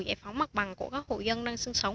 giải phóng mặt bằng của các hộ dân đang sinh sống